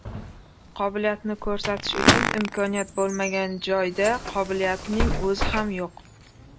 Qobiliyatni ko‘rsatish uchun imkoniyat bo‘lmagan joyda qobiliyatning o‘zi ham yo‘q.